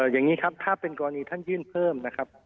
อย่างนี้ครับถ้าเป็นกรณีท่านยื่นเพิ่มนะครับ